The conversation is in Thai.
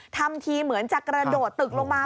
ทำทีเหมือนจะกระโดดตึกลงมา